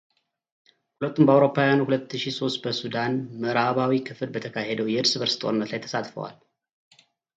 ሁለቱም በአውሮፓውያኑ ሁለት ሺ ሶስት በሱዳን ምዕራባዊ ክፍል በተካሄደው የእርስ በርስ ጦርነት ላይ ተሳትፈዋል።